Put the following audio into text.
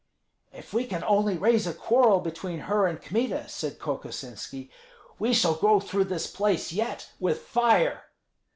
"If we can only raise a quarrel between her and Kmita," said Kokosinski, "we shall go through this place yet with fire."